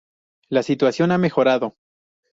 La situación ha mejorado.